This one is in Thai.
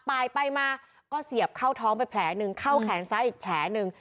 ไปมาก็เสียบเข้าท้องไปแผลหนึ่งเข้าแขนซ้ายอีกแผลหนึ่ง